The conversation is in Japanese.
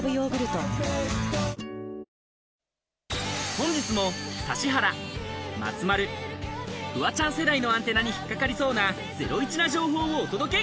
本日も指原、松丸、フワちゃん世代のアンテナに引っ掛かりそうなゼロイチな情報をお届け！